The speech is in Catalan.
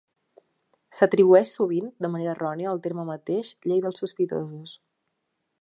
S'atribueix sovint de manera errònia al terme mateix "Llei dels sospitosos".